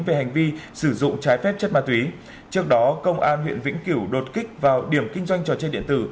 về hành vi sử dụng trái phép chất ma túy trước đó công an huyện vĩnh kiểu đột kích vào điểm kinh doanh trò chơi điện tử